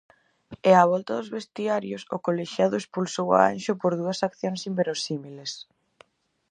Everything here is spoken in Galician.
E á volta dos vestiarios, o colexiado expulsou a Anxo por dúas accións inverosímiles.